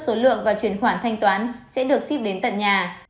số lượng và chuyển khoản thanh toán sẽ được ship đến tận nhà